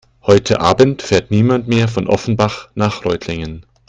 Heute Abend fährt niemand mehr von Offenbach nach Reutlingen